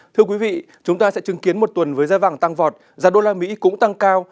thưa quý vị chúng ta sẽ chứng kiến một tuần với giá vàng tăng vọt giá đô la mỹ cũng tăng cao